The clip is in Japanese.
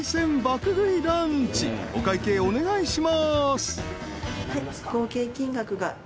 ［お会計お願いします］